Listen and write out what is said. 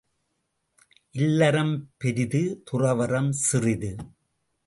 இல்லறம் பெரிது துறவறம் சிறிது.